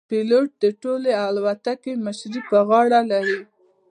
پیلوټ د ټولې الوتکې مشري پر غاړه لري.